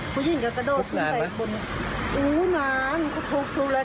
ผู้หญิงก็กระโดบขึ้นไปบนอู๋นานมันก็ถูกแล้ว